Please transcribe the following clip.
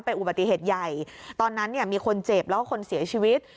อุบัติเหตุใหญ่ตอนนั้นเนี่ยมีคนเจ็บแล้วก็คนเสียชีวิต